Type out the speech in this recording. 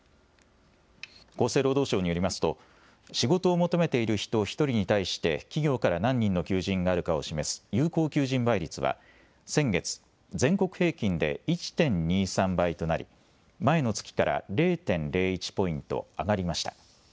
厚生労働省によりますと、仕事を求めている人１人に対して、企業から何人の求人があるかを示す、有効求人倍率は先月、全国平均で１．２３倍となり、前の月から０．０１ポイント上がりました。